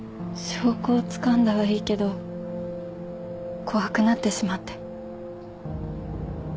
証拠をつかんだはいいけど怖くなってしまって。